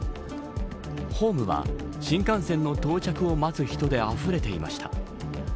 ホームは新幹線の到着を待つ人であふれていました。